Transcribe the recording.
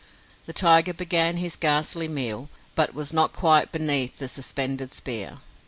The tiger began his ghastly meal but was not quite beneath the suspended spear.